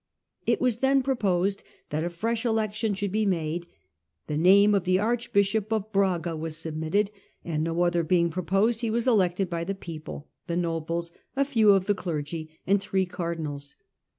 It was then proposed that a fresh election should be made ; the name of the archbishop of Braga was submitted, and no other being proposed he was elected by the people, the nobles, a few of the clergy, and three cardinals.